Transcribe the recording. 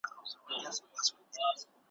د ښکاري او د مېرمني ورته پام سو ,